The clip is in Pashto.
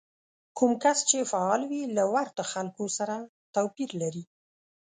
کوم کس چې فعال وي له ورته خلکو سره توپير لري.